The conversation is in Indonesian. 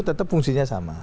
tetap fungsinya sama